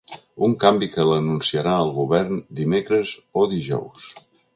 Un canvi que l’anunciarà el govern dimecres o dijous.